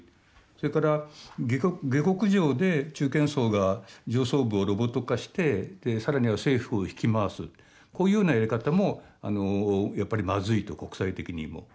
それから下克上で中堅層が上層部をロボット化して更には政府を引き回すこういうようなやり方もやっぱりまずいと国際的にも。